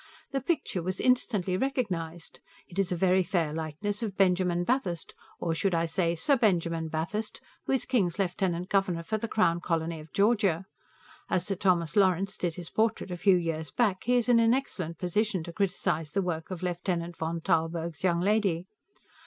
The picture was instantly recognized. It is a very fair likeness of Benjamin Bathurst, or, I should say, Sir Benjamin Bathurst, who is King's lieutenant governor for the Crown Colony of Georgia. As Sir Thomas Lawrence did his portrait a few years back, he is in an excellent position to criticize the work of Lieutenant von Tarlburg's young lady.